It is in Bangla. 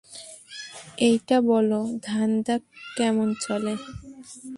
এইটা বলো, ধান্ধা কেমন চলে?